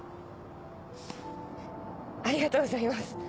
ありがとうございます。